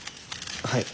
はい。